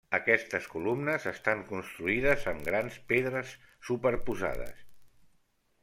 Aquestes columnes estan construïdes amb grans pedres superposades.